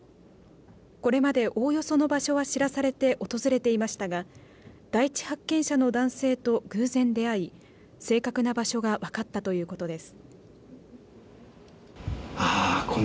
これまでおおよその場所は知らされて、訪れていましたが第１発見者の男性と偶然出会い正確な場所が分ったということです。